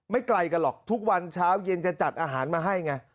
ไกลกันหรอกทุกวันเช้าเย็นจะจัดอาหารมาให้ไง